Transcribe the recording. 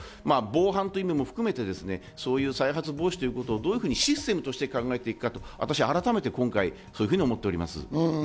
防犯という意味も含めて、再発防止ということをシステムとしてどう考えていくか、改めて今回そういうふうに思っております。